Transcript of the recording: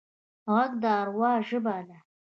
غږ د اروا ژبه ده